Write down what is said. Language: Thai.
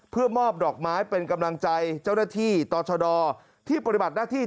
เพื่อมอบดอกไม้เป็นกำลังใจที่ตอบชาวดอที่ปฏิบัติหน้าที่